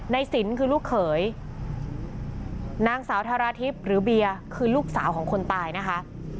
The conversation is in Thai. สินคือลูกเขยนางสาวทาราทิพย์หรือเบียร์คือลูกสาวของคนตายนะคะ